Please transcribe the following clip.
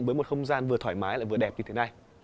với một không gian vừa thoải mái lại vừa đẹp như thế này